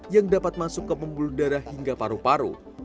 yang dapat masuk ke pembuluh darah hingga paru paru